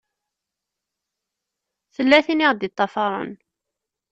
Tella tin i ɣ-d-iṭṭafaṛen.